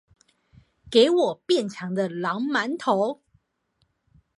給我變強的狼鰻頭